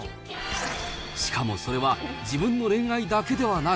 しかもそれは、自分の恋愛だけではなく。